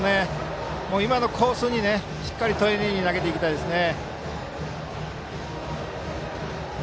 今のコースにしっかり丁寧に投げたいですね。